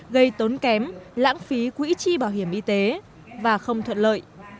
gây tốn kém lãng phí quỹ chi bảo hiểm y tế và không thuận lợi